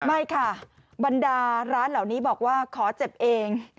ไม่ค่ะบรรดาร้านเหล่านี้บอกว่าขอเจ็บเอง